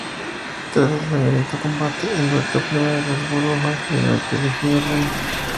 Tras el sangriento combate, Alberto I de Habsburgo fue finalmente elegido rey de Alemania.